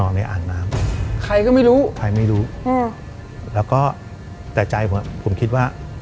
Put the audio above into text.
ในอ่างน้ำใครก็ไม่รู้ใครไม่รู้อืมแล้วก็แต่ใจผมผมคิดว่า